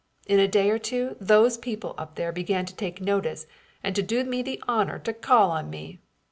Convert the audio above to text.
In a day or two those people up there began to take notice and to do me the honor to call on me.